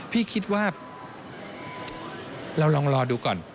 พี่คิดว่าเราลองรอดูก่อน